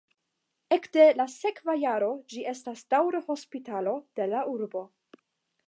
Ekde la sekva jaro ĝi estas daŭre hospitalo de la urbo.